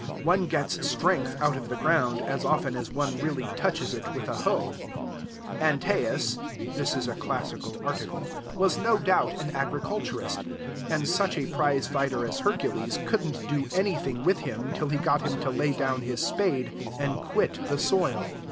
One gets strength out of the ground as often as one really touches it with a hoe. Antaeus (this is a classical article) was no doubt an agriculturist; and such a prize fighter as Hercules could n't do anything with him till he got him to lay down his spade, and quit the soil.